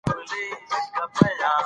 ښه چي کور دي نه کړ جوړ په غم آباد کي